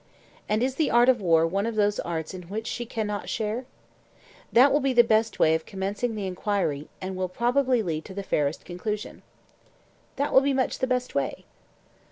And is the art of war one of those arts in which she can or can not share? That will be the best way of commencing the enquiry, and will probably lead to the fairest conclusion. That will be much the best way.